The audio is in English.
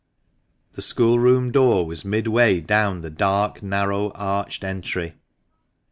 The schoolroom door was midway down the dark, narrow, arched entry.